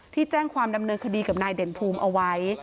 แจ้งความดำเนินคดีกับนายเด่นภูมิเอาไว้